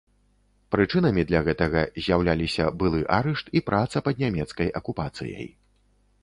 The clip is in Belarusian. Прычынамі для гэтага з'яўляліся былы арышт і праца пад нямецкай акупацыяй.